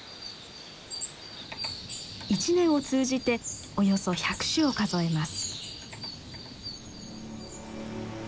一年を通じておよそ１００種を数えます。